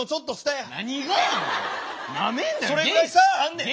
それぐらい差あんねん。